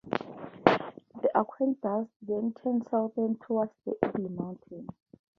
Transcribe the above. The aqueduct then turns southwest towards the Eagle Mountains.